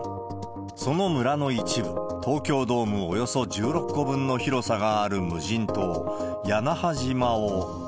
その村の一部、東京ドームおよそ１６個分の広さがある無人島、屋那覇島を。